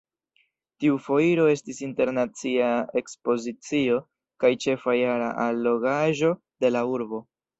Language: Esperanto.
Tiu Foiro estis internacia ekspozicio kaj ĉefa jara allogaĵo de la urbo.